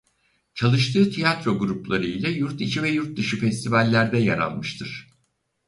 Çalıştığı tiyatro grupları ile yurt içi ve yurt dışı festivallerde yer almıştır.